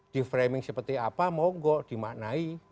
di framing seperti apa mogok dimaknai